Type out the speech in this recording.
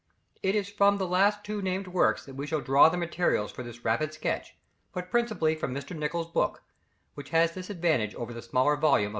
It is from the two last named works that we shall draw the materials for this rapid sketch, but principally from Mr. Nicholls' book, which has this advantage over the smaller volume of M.